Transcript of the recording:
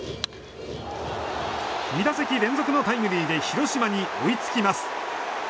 ２打席連続のタイムリーで広島に追いつきます。